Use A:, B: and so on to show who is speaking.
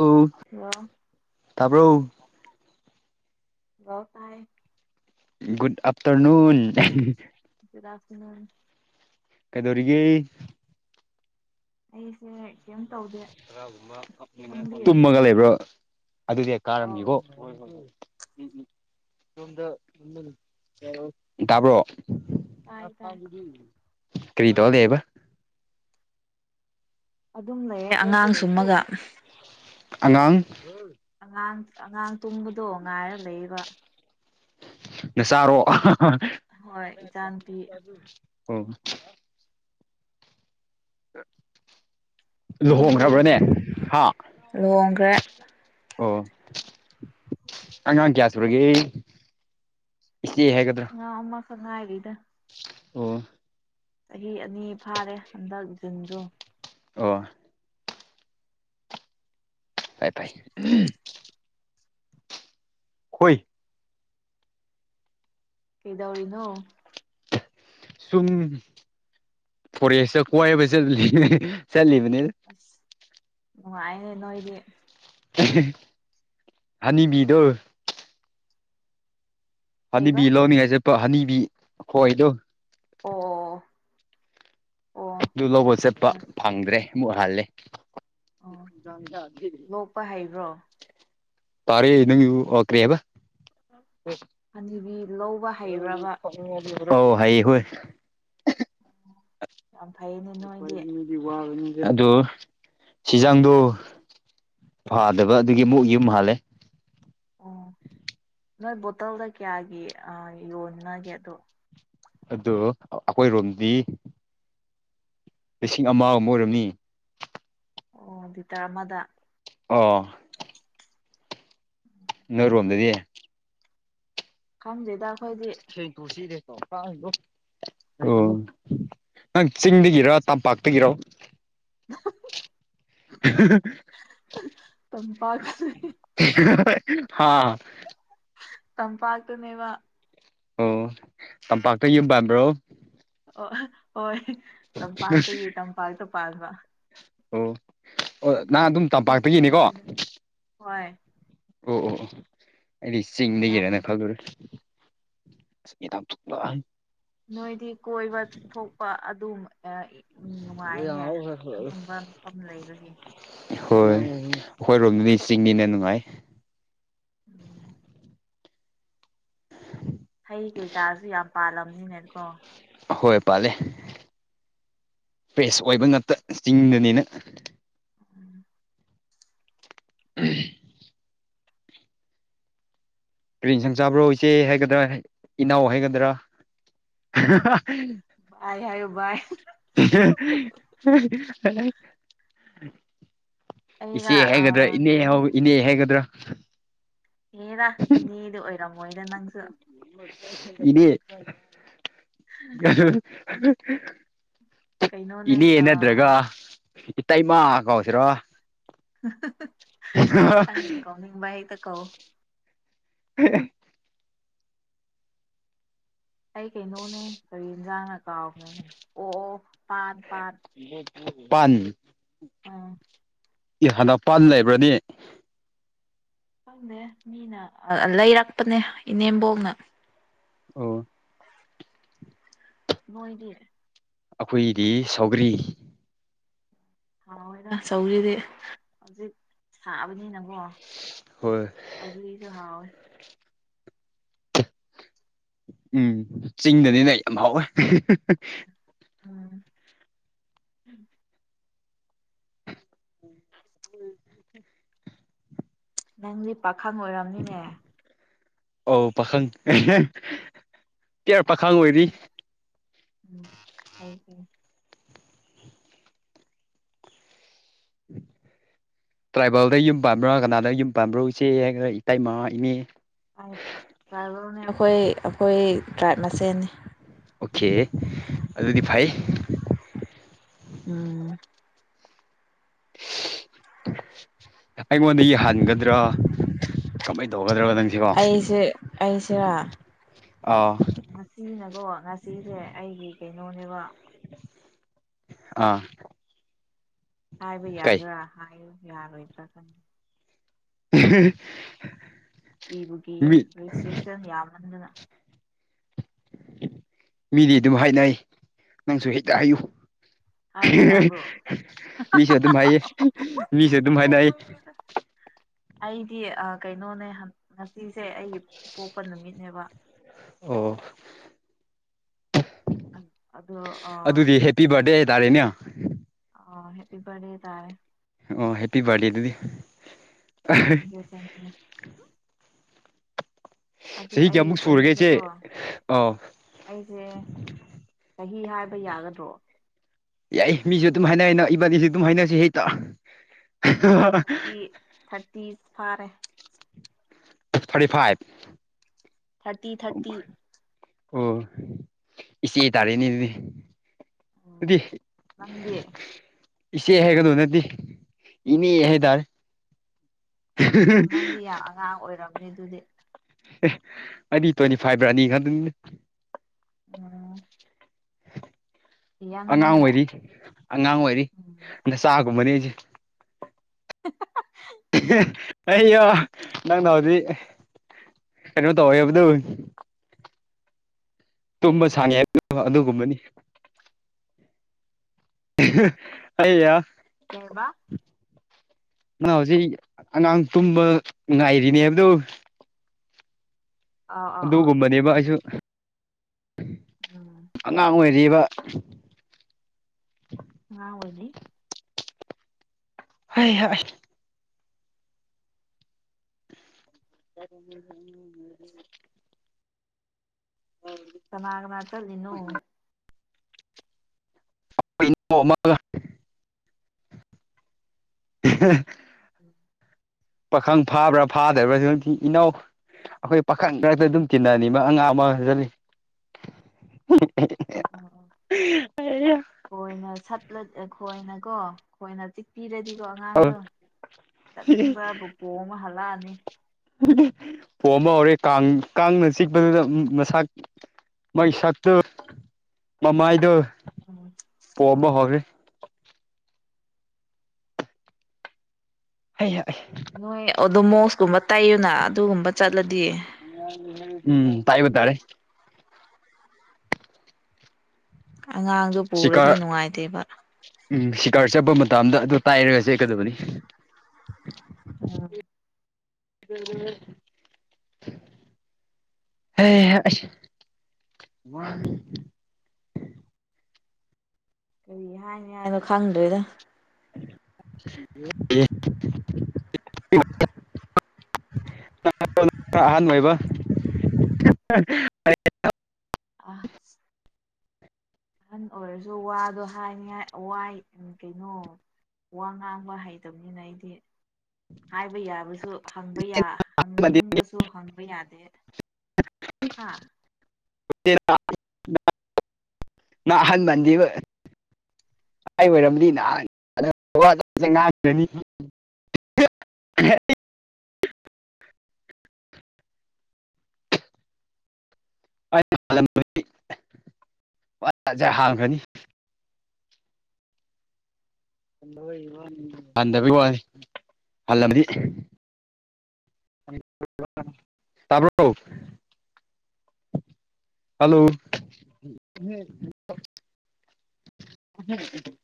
A: ꯑꯣ ꯇꯥꯕ꯭ꯔꯣ
B: ꯑꯣ ꯇꯥꯏ
A: ꯒꯨꯗ ꯑꯐꯇꯔꯅꯨꯟ
B: ꯒꯨꯗ ꯑꯐꯇꯔꯅꯨꯟ
A: ꯀꯩꯗꯧꯔꯤꯒꯦ
B: ꯑꯩꯁꯦ ꯀꯩꯝ ꯇꯧꯗꯦ ꯅꯪꯗꯤ
A: ꯇꯨꯝꯃꯒ ꯂꯩꯕ꯭ꯔꯣ ꯑꯗꯨꯗꯤ
B: ꯑꯧ
A: ꯀꯥꯔꯝꯒꯦꯀꯣ ꯍꯣꯏ ꯍꯣꯏ ꯍꯣꯏ ꯎꯝ ꯎꯝ ꯇꯥꯕ꯭ꯔꯣ
B: ꯇꯥꯏ ꯇꯥꯏ
A: ꯀꯔꯤꯗꯣꯗꯕ
B: ꯑꯗꯨꯝ ꯂꯩꯌꯦ ꯑꯉꯥꯡ ꯁꯃꯒ
A: ꯑꯉꯥꯡ
B: ꯑꯉꯥꯡ ꯑꯉꯥꯡ ꯇꯨꯝꯕꯗꯣ ꯉꯥꯏꯔ ꯂꯩꯕ
A: ꯅ ꯆꯥꯔꯣ
B: ꯍꯣꯏ ꯏꯆꯥ ꯅꯨꯄꯤ
A: ꯑꯣ
B: ꯅꯪꯗꯤ
A: ꯂꯨꯍꯣꯡꯈ꯭ꯔꯕ꯭ꯔꯅꯦ ꯍꯥ
B: ꯂꯨꯍꯣꯡꯈ꯭ꯔꯦ
A: ꯑꯣ
B: [unintelligible]
A: ꯑꯉꯥꯡ ꯀꯌꯥ ꯁꯨꯔꯒꯦ ꯏꯆꯦ ꯍꯥꯏꯒꯗ꯭ꯔ
B: ꯑ ꯑꯃ ꯁꯉꯥꯏꯔꯤꯗ
A: ꯑꯣ
B: ꯆꯍꯤ ꯑꯅꯤ ꯐꯥꯔꯦ ꯍꯟꯗꯛ ꯖꯨꯟꯗꯣ
A: ꯑꯣ ꯇꯥꯏ ꯇꯥꯏ ꯍꯨꯣꯏ
B: ꯀꯩꯗꯧꯔꯤꯅꯣ
A: ꯁꯨꯝ ꯐꯣꯔꯦꯁꯇ ꯀꯣꯏꯏꯕꯠ ꯆꯠꯂꯤꯕꯅꯤ
B: ꯑꯁ ꯅꯨꯡꯉꯥꯏ ꯅꯣꯏꯗꯤ
A: ꯍꯅꯤꯕꯤꯗꯣ
B: ꯀꯩꯕ
A: ꯍꯅꯤꯕꯤ ꯂꯧꯅꯤꯡꯉꯥꯏ ꯆꯠꯄ ꯍꯅꯤꯕꯤ ꯍꯣꯏꯗꯣ
B: ꯑꯣ ꯑꯣ
A: ꯑꯗꯨ ꯂꯧꯕ ꯆꯠꯄ
B: ꯑꯁ
A: ꯐꯪꯗ꯭ꯔꯦ ꯑꯃꯨꯛ ꯍꯜꯂꯦ
B: ꯑꯣ ꯂꯣꯛꯄ ꯍꯩꯕ꯭ꯔꯣ
A: ꯇꯥꯔꯤꯦ ꯏꯪ ꯀ꯭ꯔꯤꯑꯕ
B: ꯑꯅꯤꯕꯤ ꯂꯧꯕ ꯍꯩꯕ꯭ꯔꯕ
A: ꯑꯣ ꯍꯥꯏ ꯍꯣꯏ
B: ꯌꯥꯝ ꯐꯩꯅꯦ ꯅꯣꯏꯗꯤ
A: ꯑꯗꯨ ꯁꯤꯖꯥꯡꯗꯣ ꯐꯥꯗꯕ ꯑꯗꯨꯒꯤ ꯃꯨꯛ ꯌꯨꯝ ꯍꯥꯜꯂꯦ
B: ꯑꯣ ꯅꯣꯏ ꯕꯣꯇꯜꯗ ꯀꯌꯥꯒꯤ ꯌꯣꯟꯅꯒꯦ ꯑꯗꯣ
A: ꯑꯗꯣ ꯑꯩꯈꯣꯏꯔꯣꯝꯗꯤ ꯂꯤꯁꯤꯡ ꯑꯃ ꯑꯃ ꯑꯣꯏꯔꯝꯅꯤ
B: ꯑꯣꯗꯤ ꯇ ꯑꯃꯗ
A: ꯑꯣ
B: ꯎꯝ
A: ꯅꯣꯏꯔꯣꯝꯗꯗꯤ
B: ꯈꯪꯖꯦꯗꯈꯣꯏꯗ
A: ꯁꯤ ꯇꯁꯤꯗꯦꯠꯇꯣ ꯀꯥꯣ ꯑꯣ ꯅꯪ ꯆꯤꯡꯗꯒꯤꯔ ꯇꯝꯄꯥꯛꯇꯒꯤꯔꯣ
B: ꯎ
A: ꯍ
B: ꯇꯝꯄꯥꯁ
A: ꯍꯥꯥ
B: ꯇꯝ ꯄꯥꯇꯅꯦꯕ
A: ꯑꯣ ꯇꯝꯄꯥꯛꯇ ꯌꯨꯝꯕ ꯍꯥꯏꯕ꯭ꯔꯣ
B: ꯑꯣ ꯍꯣꯏ ꯇꯝꯄꯥꯛꯇꯒꯤ ꯇꯝꯄꯥꯛꯇ ꯄꯥꯕ
A: ꯑꯣ ꯑꯣ ꯅꯍꯥꯟ ꯑꯗꯨꯝ ꯇꯝꯄꯥꯛꯇꯒꯤꯅꯤꯀꯣ
B: ꯅꯣꯛꯅꯤꯡꯉꯤꯗ ꯍꯣꯏ
A: ꯑꯣ ꯑꯣ ꯑꯣ ꯑꯩꯗꯤ
B: ꯃꯥꯅꯦ
A: ꯆꯤꯡꯗꯒꯤꯗꯒꯤꯔꯅ ꯈꯜꯂꯨꯔꯦ ꯂ
B: ꯅꯣꯏꯗꯤ ꯀꯣꯏꯕ ꯊꯣꯛꯄ ꯑꯗꯨꯝ ꯎ ꯅꯨꯡꯉꯥꯏꯅꯦ ꯑꯗꯨꯒꯝꯕ ꯃꯐꯝ ꯂꯩꯕꯒꯤ
A: ꯍꯣꯏ ꯑꯩꯈꯣꯏꯔꯣꯝꯗꯨꯅꯤ ꯆꯤꯡꯅꯤꯅ ꯅꯨꯡꯉꯥꯏ
B: ꯎꯝ
A: [unintelligible]
B: ꯍꯩ ꯀꯩꯀꯥꯁꯨ ꯌꯥꯝ ꯄꯥꯜꯂꯝꯅꯤꯅꯦꯅ ꯀꯣ
A: ꯑ ꯍꯣꯏ ꯄꯥꯜꯂꯦ ꯄ꯭ꯔꯦꯁ ꯑꯣꯏꯕ ꯉꯇ ꯆꯤꯡꯗꯅꯤꯅ
B: ꯎꯝ
A: ꯎ ꯄꯔꯤꯦꯟ ꯁꯪ ꯆꯥꯕ꯭ꯔꯣ ꯏꯆꯦ ꯍꯥꯏꯒꯗ꯭ꯔꯥ ꯏꯅꯥꯎ ꯍꯥꯏꯒꯗ꯭ꯔꯥ
B: ꯕꯥꯏ ꯍꯥꯏꯌꯨ ꯕꯥꯏ
A: [unintelligible] ꯏꯆꯦ
B: ꯑꯩꯔ ꯑ
A: ꯍꯥꯏꯒꯗ꯭ꯔꯥ
B: ꯀꯩꯅꯣ
A: ꯏꯅꯦ ꯍꯥꯏꯒꯗ꯭ꯔꯥ
B: ꯍꯦꯔ ꯏꯅꯦꯗꯤ ꯑꯣꯏꯔꯝꯃꯣꯏꯗ ꯅꯪꯁꯨ
A: ꯏꯅꯦ
B: ꯀꯩꯅꯣꯅꯦ
A: ꯏꯅꯦ
B: ꯑꯥ
A: ꯅꯗ꯭ꯔꯒ ꯏꯇꯩꯃꯥ ꯀꯧꯁꯤꯔꯣ
B: ꯈꯪꯗꯦ ꯀꯧꯅꯤꯡꯕ ꯍꯦꯛꯇ ꯀꯧ
A: [unintelligible]
B: ꯑꯩ ꯀꯩꯅꯣꯅꯦ ꯀꯔꯤ ꯏꯟꯖꯥꯡꯅ ꯀꯥꯎꯒꯦꯅꯦ ꯑꯣ ꯑꯣ ꯄꯥꯟ ꯄꯥꯟ
A: ꯄꯥꯟ
B: ꯎꯝ
A: ꯍꯥꯟꯗꯄꯥꯟ ꯂꯩꯕ꯭ꯔꯅꯦ
B: ꯈꯪꯗꯦ ꯃꯤꯅ ꯂꯩꯔꯛꯄꯅꯦ ꯏꯅꯦꯝꯕꯣꯛꯅ
A: ꯑꯣ
B: ꯅꯣꯏꯗꯤ
A: ꯑꯩꯈꯣꯏꯗꯤ ꯁꯧꯒ꯭ꯔꯤ
B: [unintelligible] ꯁꯧꯒꯔꯤꯗꯤ ꯁꯥꯕꯅꯤꯅꯀꯣ
A: ꯍꯣꯏ
B: [unintelligible] ꯍꯥꯎ
A: ꯎꯝ ꯆꯤꯡꯗꯅꯤꯅ ꯌꯥꯝ ꯍꯥꯎꯋꯦ
B: ꯎꯝ ꯅꯪꯗꯤ ꯄꯥꯈꯪ ꯑꯣꯏꯔꯝꯅꯤꯅꯦ
A: ꯑꯧ ꯄꯥꯈꯪ ꯄꯤꯌꯥꯔ ꯄꯥꯈꯪ ꯑꯣꯏꯔꯤ
B: [unintelligible]
A: ꯇ꯭ꯔꯥꯏꯕꯦꯜꯗ ꯌꯨꯝ ꯄꯥꯝꯕ꯭ꯔꯥ ꯀꯅꯥꯗ ꯌꯨꯝ ꯄꯥꯝꯕ꯭ꯔꯣ ꯏꯆꯦ ꯍꯥꯏ ꯏꯇꯩꯃꯥ ꯏꯅꯦ
B: ꯇ꯭ꯔꯥꯏꯚꯔꯅꯦ ꯑꯩꯈꯣꯏ ꯑꯩꯈꯣꯏ ꯇ꯭ꯔꯥꯏꯕ ꯃꯁꯦꯜꯅꯤ
A: ꯑꯣꯀꯦ ꯑꯗꯨꯗꯤ ꯐꯩ
B: ꯎꯝ
A: ꯑꯩꯉꯣꯟꯗꯒꯤ ꯍꯟꯒꯗ꯭ꯔꯥ ꯀꯃꯥꯏꯅ ꯇꯧꯒꯗ꯭ꯔꯣ ꯅꯪ
B: ꯑꯩꯁꯦ ꯑꯩꯁꯦ
A: ꯑꯥ
B: ꯁꯤꯅꯀꯣ ꯉꯁꯤꯁꯦ ꯑꯩꯒꯤ ꯀꯩꯅꯣꯅꯦꯕ
A: ꯑꯥ
B: ꯍꯥꯏꯕ
A: ꯀꯩ
B: ꯌꯥꯗ꯭ꯔꯥ ꯍꯥꯏꯌꯨ ꯌꯥꯔꯣꯏꯗ꯭ꯔꯥ
A: [unintelligible]
B: ꯀꯤꯕꯨ ꯀꯤꯌꯦ
A: ꯃꯤ
B: [unintelligible] ꯌꯥꯝꯃꯟꯗꯅ
A: ꯃꯤꯗꯤ ꯑꯗꯨꯝ ꯍꯥꯏꯅꯩ ꯅꯪꯁꯨ ꯍꯦꯛꯇ ꯍꯥꯏꯌꯨ
B: ꯍꯥꯏꯕ ꯌꯥꯕ꯭ꯔꯣ
A: ꯃꯤꯁꯨ ꯑꯗꯨꯝ ꯍꯥꯏꯌꯦ ꯃꯤꯁꯨ ꯑꯗꯨꯝ ꯍꯥꯏꯅꯩ
B: ꯅꯣꯛꯅꯤꯡꯉꯤꯗ ꯑꯩꯗꯤ ꯀꯩꯅꯣꯅꯦ ꯉꯁꯤꯁꯦ ꯑꯩꯒꯤ ꯄꯣꯛꯄ ꯅꯨꯃꯤꯠꯅꯦꯕ
A: ꯑꯣ꯫
B: ꯑꯗꯨ ꯑ
A: ꯄꯤꯕꯔꯗꯦ ꯇꯥꯔꯦꯅꯦ꯫
B: ꯑ ꯍꯦꯄꯤ ꯕꯔꯗꯦ ꯇꯥꯔꯦ꯫
A: ꯑꯣ ꯍꯦꯄꯤ ꯕꯔꯗꯦ ꯑꯗꯨꯗꯤ꯫
B: Thank you thank you. ꯑꯗꯨ
A: ꯆꯍꯤ
B: ꯑꯩꯒꯤ
A: ꯀꯌꯥꯃꯨꯛ ꯁꯨꯔꯒꯦ ꯏꯆꯦ
B: ꯆꯍꯤꯁꯦꯀꯣ
A: ꯑꯣ
B: ꯑꯩꯁꯦ ꯆꯍꯤ ꯍꯥꯏꯕ ꯌꯥꯒꯗ꯭ꯔꯣ꯫
A: ꯌꯥꯏ ꯃꯤꯁꯨ ꯑꯗꯨꯝ ꯍꯥꯏꯅꯩꯅ ꯏꯕꯥꯅꯤꯁꯨ ꯑꯗꯨꯝ ꯍꯥꯏꯅꯁꯤ ꯍꯦꯛꯇ꯫
B: ꯊꯥꯔꯇꯤ ꯊꯥꯔꯇꯤ ꯐꯥꯔꯦ꯫
A: Thirty five.
B: Thirty thirty.
A: ꯑꯣ ꯏꯆꯦ ꯇꯥꯔꯦꯅꯦ ꯑꯗꯨꯗꯤ꯫
B: ꯎꯝ
A: ꯑꯗꯨꯗꯤ꯫
B: ꯅꯪꯗꯤ
A: ꯏꯆꯦ ꯍꯥꯏꯒꯗꯧ ꯅꯠꯇꯦ ꯏꯅꯦ ꯍꯥꯏꯇꯥꯔꯦ꯫
B: ꯑꯣ ꯅꯪꯗꯤ ꯌꯥꯝ ꯑꯉꯥꯡ ꯑꯣꯏꯔꯝꯅꯤ ꯑꯗꯨꯗꯤ꯫
A: ꯑꯩꯅꯤ ꯇ꯭ꯋꯦꯟꯇꯤ ꯐꯥꯏꯕ꯭ꯔꯥ ꯑꯅꯤ ꯈꯪꯗ
B: ꯎꯝ
A: ꯑꯉꯥꯡ
B: ꯌꯪꯅꯤꯅꯦ
A: ꯑꯣꯏꯔꯤ ꯑꯉꯥꯡ ꯑꯣꯏꯔꯤ
B: ꯎꯝ
A: ꯅꯆꯥꯒꯨꯝꯕꯅꯤ ꯑꯩꯁꯦ꯫
B: [unintelligible]
A: ꯑꯩ ꯅꯪꯅ ꯍꯧꯖꯤꯛ꯫ ꯀꯩꯅꯣ ꯇꯧꯌꯦꯕꯗꯨꯨ꯫
B: [inaudible] [inaudible]
A: ꯇꯨꯝꯕ ꯁꯥꯡꯉꯦ ꯍꯥꯏꯕ ꯑꯗꯨꯒꯨꯝꯕꯅꯤ꯫ ꯑꯩꯌꯥ꯫
B: ꯀꯩꯍꯥꯏꯕ꯫
A: ꯅꯪꯅ ꯍꯧꯖꯤꯛ ꯑꯉꯥꯡ ꯇꯨꯝꯕ ꯉꯥꯏꯔꯤꯅꯦ ꯍꯥꯏꯕꯗꯨ꯫
B: ꯑꯥꯎ ꯑꯥꯎ ꯑꯥꯎ
A: ꯑꯗꯨꯒꯨꯝꯕꯅꯦꯕ ꯑꯩꯁꯨ
B: ꯎꯝ
A: ꯑꯉꯥꯡ ꯑꯣꯏꯔꯤꯕ꯫
B: ꯑꯉꯥꯡ ꯑꯣꯏꯔꯤ꯫
A: ꯍꯩꯍ [unintelligible] [inaudible]
B: ꯀꯥꯅ ꯀꯥꯅ ꯆꯠꯂꯤꯅꯣ꯫
A: [inaudible] ꯑꯃꯒ꯫
B: ꯎꯝ
A: ꯄꯥꯈꯪ ꯐꯥꯕ꯭ꯔꯥ ꯐꯥꯗꯕ꯭ꯔꯥ ꯏꯅꯥꯎ ꯑꯩꯈꯣꯏ ꯄꯥꯈꯪ ꯃꯔꯛꯇ ꯑꯗꯨꯝ ꯇꯤꯟꯅꯅꯤ ꯃꯥ ꯑꯉꯥꯡ ꯑꯃ ꯆꯠꯂꯤ
B: [inaudible]
A: [unintelligible]
B: ꯀꯣꯏꯅ ꯁꯠꯂꯠ ꯈꯣꯏꯅꯀꯣ꯫ ꯈꯣꯏꯅ ꯆꯤꯛꯄꯤꯔꯗꯤꯀꯣ ꯑꯉꯥꯡꯗꯣ ꯆꯠꯅꯤꯡꯕ ꯕꯨꯀꯣꯄ ꯄꯣꯝꯃ ꯍꯜꯂꯛꯑꯅꯤ꯫
A: ꯄꯣꯝꯃ ꯍꯧꯔꯦꯟ ꯀꯥꯡ ꯀꯥꯡꯅ ꯆꯤꯛꯄꯗꯨꯗ ꯃꯁꯥ ꯃꯥꯒꯤ ꯁꯛꯇꯨ ꯃꯃꯥꯏꯗꯨ꯫
B: [unintelligible]
A: ꯄꯣꯝꯕ ꯍꯧꯔꯦ꯫ [unintelligible]
B: ꯅꯣꯏ ꯑꯗꯨ ꯃꯣꯁꯀꯨꯝꯕ ꯇꯩꯌꯨꯅ ꯑꯗꯨꯒꯨꯝꯕ ꯆꯠꯂꯗꯤ꯫
A: ꯎꯝ ꯇꯩꯕ ꯇꯥꯔꯦ꯫
B: ꯑꯉꯥꯡꯗꯨ ꯄꯨꯔꯗꯤ
A: ꯁꯤꯀꯥꯔ
B: ꯅꯨꯡꯉꯥꯏꯇꯦꯕ꯫
A: ꯎꯝ ꯁꯤꯀꯥꯔ ꯆꯠꯄ ꯃꯇꯝꯗ ꯑꯗꯨ ꯇꯥꯏꯔꯒ ꯆꯦꯠꯀꯗꯕꯅꯤ꯫
B: ꯑꯥ꯫
A: [unintelligible] ꯋꯥ
B: ꯀꯔꯤ ꯍꯥꯏꯅꯤ ꯍꯥꯏꯅꯣ ꯈꯪꯗꯣꯏꯗ
A: [unintelligible] [unintelligible]
B: ꯑꯥ ꯑꯍꯟ ꯑꯣꯏꯔꯁꯨ ꯋꯥꯗꯣ ꯍꯥꯏꯅꯤ ꯋꯥꯏ ꯀꯩꯅꯣ ꯋꯥ ꯉꯥꯡꯕ ꯍꯩꯇꯕꯅꯤꯅ ꯑꯩꯗꯤ ꯍꯥꯏꯕ ꯌꯥꯕꯁꯨ ꯍꯪꯕ ꯌꯥ ꯍꯪꯅꯤꯡꯕꯁꯨ ꯍꯪꯕ ꯌꯥꯗꯦ ꯍꯥ
A: [unintelligible] ꯁꯥꯏ ꯑꯣꯏꯔꯝꯗꯤ ꯅꯍꯥꯟꯅꯤꯥꯡꯅꯤ꯫ [unintelligible] [unintelligible] ꯍꯟꯗꯕ ꯋꯥ ꯍꯜꯂꯝꯕꯗꯤ꯫ ꯇꯕꯔꯣ꯫ ꯍꯜꯂꯣ [inaudible]